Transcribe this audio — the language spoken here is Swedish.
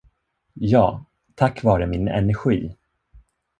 Ja, tack vare min energi.